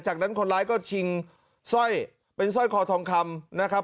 จากนั้นคนร้ายก็ชิงสร้อยเป็นสร้อยคอทองคำนะครับ